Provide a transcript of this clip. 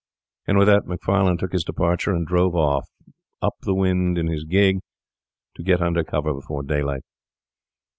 And with that Macfarlane took his departure and drove off up the wynd in his gig to get under cover before daylight.